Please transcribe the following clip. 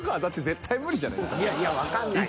いやいやわかんないよ。